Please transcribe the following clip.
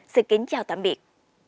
xin kính chào tạm biệt